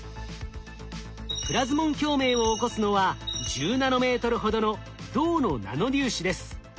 プラズモン共鳴を起こすのは１０ナノメートルほどの銅のナノ粒子です。